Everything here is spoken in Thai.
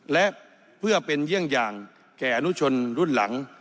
และเพื่อเป็นเยี่ยงอย่างแก่อนุชนรุ่นหลัง